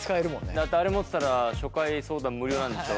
だってあれ持ってたら初回相談無料なんでしょ。